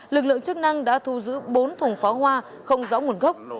lực lượng chức năng đã thu giữ bốn thùng phó hoa không gió nguồn gốc